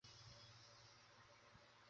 নিসার আলি বললেন, কী দিয়ে চোখ গেলে দিলেন?